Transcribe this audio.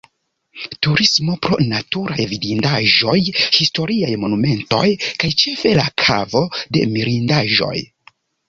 Turismo pro naturaj vidindaĵoj, historiaj, monumentoj kaj ĉefe la Kavo de Mirindaĵoj.